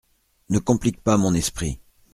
Ne complique pas mon esprit.